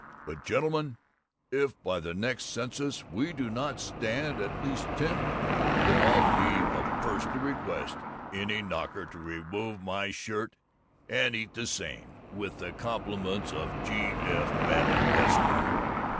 But, gentlemen, if by the next census we do not stand at least tenth, then I'll be the first to request any knocker to remove my shirt and to eat the same, with the compliments of G. F. Babbitt, Esquire!